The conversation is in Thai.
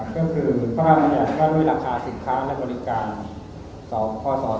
ก็คือภาพบรรยาที่ต้องใช้ราคา๑๐คาและบริการพศ๒๕๔๒